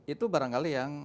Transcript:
itu barangkali yang